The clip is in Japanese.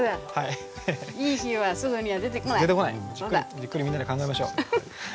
じっくりみんなで考えましょう。